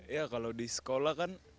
ya kalau di sekolah kan